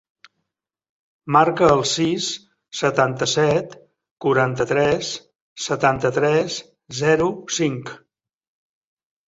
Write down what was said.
Marca el sis, setanta-set, quaranta-tres, setanta-tres, zero, cinc.